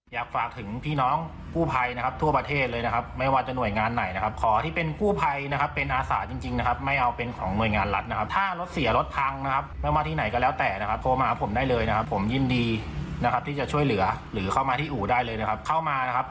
ไม่คิดเงินแม้แต่บาทเดียวนะครับเข้ามาได้เลยนะครับ